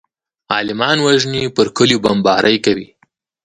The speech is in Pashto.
عالمان وژني پر کليو بمبارۍ کوي.